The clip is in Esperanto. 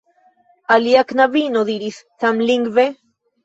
Alia knabino diris samlingve: